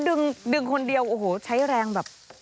เขาดึงคนเดียวใช้แรงแบบ